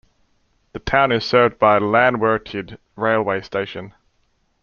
The town is served by Llanwrtyd railway station.